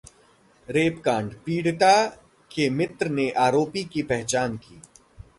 रेपकांडः पीड़िता के मित्र ने आरोपी की पहचान की